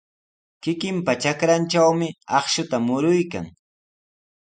Kikinpa trakrantrawmi akshuta muruykan.